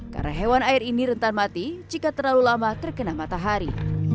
karena hewan air ini rentan mati jika terlalu lama terkena matahari